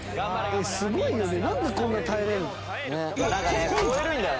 すごいよね。